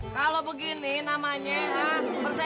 kalau begini namanya persaingan kesehat